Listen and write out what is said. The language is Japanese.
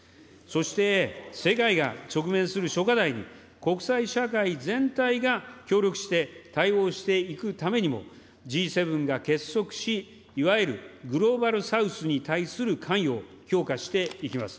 そして、世界が直面する諸課題に国際社会全体が協力して対応していくためにも、Ｇ７が結束し、いわゆるグローバル・サウスに対する関与を強化していきます。